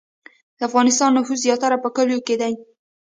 د افغانستان نفوس زیاتره په کلیو کې دی